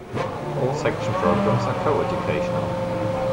All section programs are coeducational.